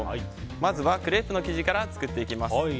まずはクレープの生地から作っていきます。